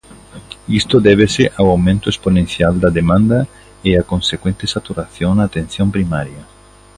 Isto débese ao aumento exponencial da demanda e á consecuente saturación na Atención Primaria.